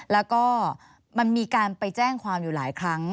แล้วก็มันมีการไปแจ้งความอยู่หลายครั้ง